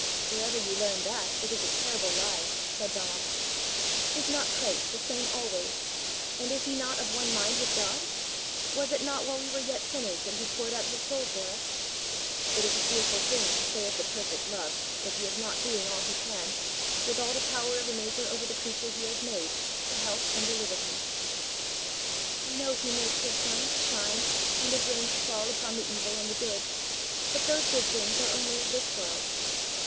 "Wherever you learned that, it is a terrible lie," said Donal. "Is not Christ the same always, and is he not of one mind with God? Was it not while we were yet sinners that he poured out his soul for us? It is a fearful thing to say of the perfect Love, that he is not doing all he can, with all the power of a maker over the creature he has made, to help and deliver him!" "I know he makes his sun to shine and his rain to fall upon the evil and the good; but those good things are only of this world!"